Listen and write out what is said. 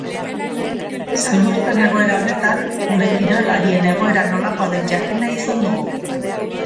Salbuespen egoera honetan, gure kirolarien egoera nolakoa den jakin nahi izan dugu.